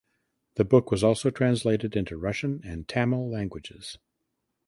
The book was also translated into Russian and Tamil languages.